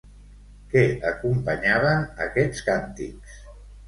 Què acompanyaven aquests càntics?